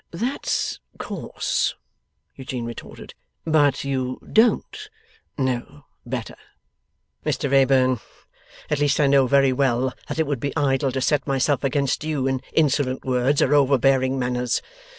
'That's coarse,' Eugene retorted; 'but you DON'T know better.' 'Mr Wrayburn, at least I know very well that it would be idle to set myself against you in insolent words or overbearing manners.